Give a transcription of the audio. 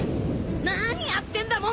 何やってんだモモ！